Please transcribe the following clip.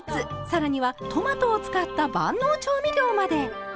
更にはトマトを使った万能調味料まで！